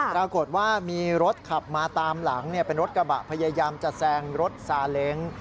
ปรากฏว่ามีรถขับมาตามหลังเป็นรถกระบะพยายามจะแซงรถซาเล้ง